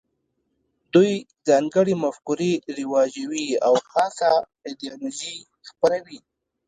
دوی ځانګړې مفکورې رواجوي او خاصه ایدیالوژي خپروي